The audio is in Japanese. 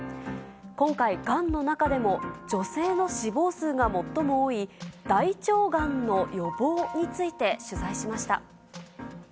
今回、がんの中でも女性の死亡数が最も多い大腸がんの予防について取材しました。